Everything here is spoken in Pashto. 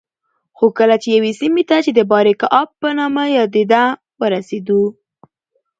خو کله چې یوې سیمې ته چې د باریکآب په نامه یادېده ورسېدو